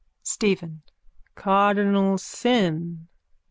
STEPHEN: Cardinal sin.